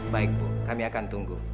baik bu kami akan tunggu